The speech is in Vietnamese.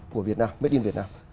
của việt nam made in việt nam